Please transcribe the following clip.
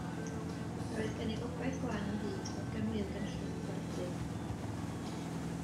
Yr oedd gennyf obaith gwan o hyd fod gan Wil gynllun i'n gwaredu.